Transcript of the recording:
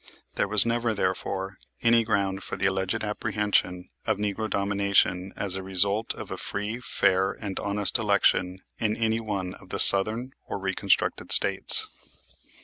There was never, therefore, any ground for the alleged apprehension of negro domination as a result of a free, fair, and honest election in any one of the Southern or Reconstructed States.